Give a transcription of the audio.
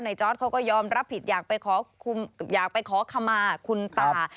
จอร์ดเขาก็ยอมรับผิดอยากไปขอขมาคุณตา